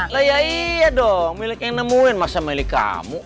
lah ya iya dong milik yang nemuin masa milik kamu